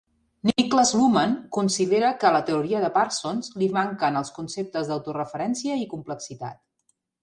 Niklas Luhmann considera que a la teoria de Parsons li manquen els conceptes d'autoreferència i complexitat.